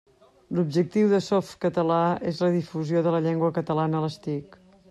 L'objectiu de Softcatalà és la difusió de la llengua catalana a les TIC.